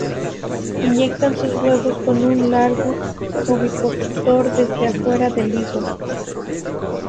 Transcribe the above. Inyectan sus huevos con un largo ovipositor desde afuera del higo.